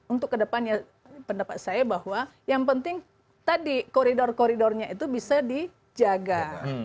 untuk kedepannya pendapat saya bahwa yang penting tadi koridor koridornya itu bisa dijaga